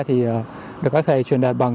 thì được các thầy truyền đạt bằng